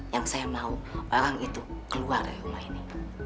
yang saya mau orang itu keluar dari rumah ini